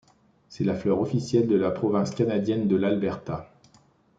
C'est la fleur officielle de la province canadienne de l'Alberta.